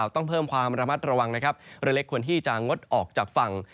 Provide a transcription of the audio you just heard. ต้องเพิ่มความระมัดระวังนะครับเรือเล็กควรที่จะงดออกจากฝั่ง